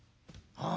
ああ